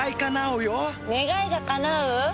願いがかなう？